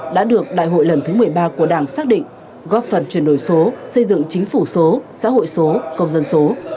đã được đại hội lần thứ một mươi ba của đảng xác định góp phần chuyển đổi số xây dựng chính phủ số xã hội số công dân số